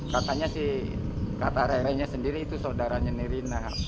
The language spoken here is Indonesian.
katanya si rere nya sendiri itu saudaranya nirina